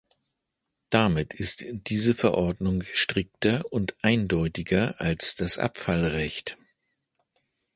Damit ist diese Verordnung strikter und eindeutiger als das Abfallrecht.